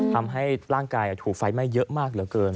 ทำให้ร่างกายถูกไฟไหม้เยอะมากเหลือเกิน